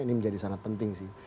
ini menjadi sangat penting sih